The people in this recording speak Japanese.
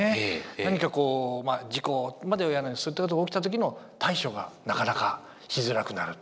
何かこう事故までは言わないそういったことが起きた時の対処がなかなかしづらくなる。